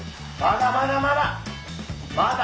まだまだまだ！